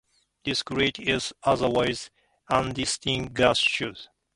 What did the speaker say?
This crater is otherwise undistinguished.